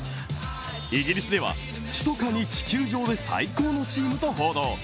イギリスではひそかに地球上で最高のチームと報道。